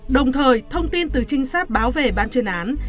đồng thời thông tin từ trinh sát báo về ban chuyên án